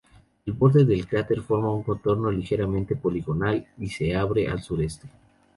El borde del cráter forma un contorno ligeramente poligonal, y se abre al sureste.